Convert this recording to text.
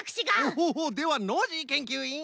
ほうほうではノージーけんきゅういん！